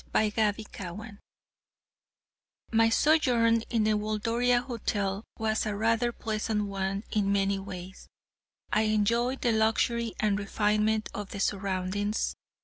CHAPTER XXIX My sojourn at the Waldoria Hotel was a rather pleasant one in many ways. I enjoyed the luxury and refinement of the surroundings.